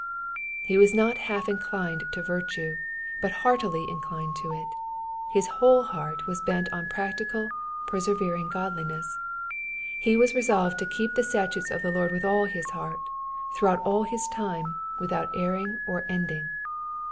'*^ He was not half inclined to virtue, but heartily inclined to it. His whole heart was bent on practical, persevering godliness. He was resolved to keep the statutes of the Lord with all his heart, throughout all his time, without erring or ending.